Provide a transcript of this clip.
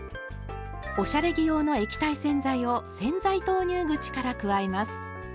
おしゃれ着用の液体洗剤を洗剤投入口から加えます。